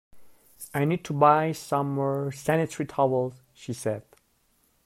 I need to buy some more sanitary towels, she said